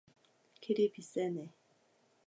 길이 빛내세